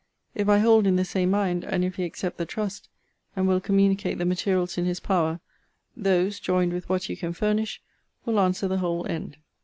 If I hold in the same mind, and if he accept the trust, and will communicate the materials in his power, those, joined with what you can furnish, will answer the whole end.